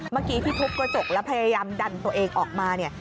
เมื่อกี้ที่ทุบกระจกแล้วพยายามดันตัวเองออกมาเนี่ย